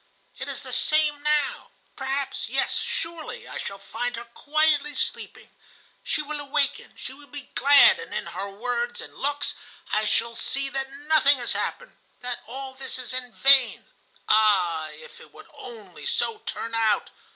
It is the same now. Perhaps, yes, surely, I shall find her quietly sleeping. She will awaken, she will be glad, and in her words and looks I shall see that nothing has happened, that all this is vain. Ah, if it would only so turn out!